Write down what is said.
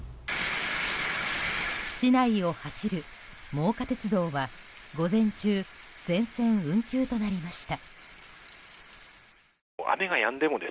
市内を走る真岡鐡道は午前中全線運休となりました。